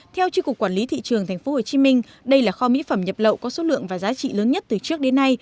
theo tri cục quản lý thị trường tp hcm đây là kho mỹ phẩm nhập lậu có số lượng và giá trị lớn nhất từ trước đến nay